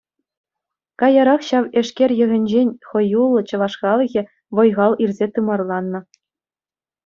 Каярах ҫав эшкер йӑхӗнчен хӑюллӑ чӑваш халӑхӗ вӑй-хал илсе тымарланнӑ.